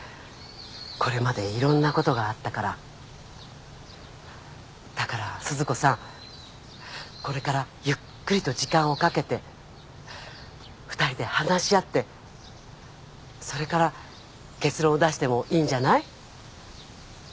これまで色んなことがあったからだから鈴子さんこれからゆっくりと時間をかけて２人で話し合ってそれから結論を出してもいいんじゃない？